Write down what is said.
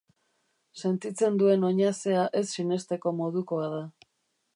Sentitzen duen oinazea ez sinesteko modukoa da.